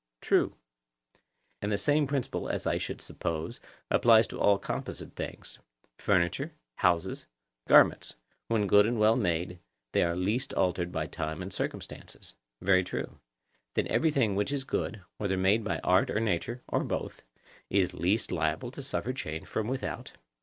True. And the same principle, as I should suppose, applies to all composite things—furniture, houses, garments: when good and well made, they are least altered by time and circumstances. Very true. Then everything which is good, whether made by art or nature, or both, is least liable to suffer change from without?